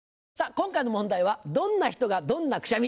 今回の問題は「どんな人がどんなくしゃみ」。